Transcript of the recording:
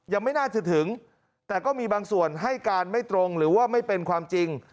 ยังไม่น่าจะถึงแต่ก็มีบางส่วนให้การไม่ตรงหรือว่าไม่เป็นความจริง